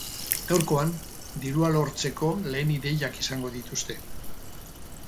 Gaurkoan, dirua lortzeko lehen ideiak izango dituzte.